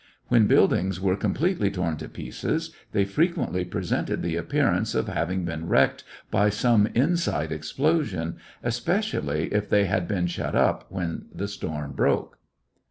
When buildings were completely torn to pieces they frequently presented the appearance of having been wrecked by some inside explosion, especially if they had been shut up when the storm broke.